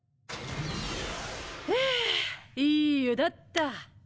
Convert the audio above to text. フゥいい湯だった。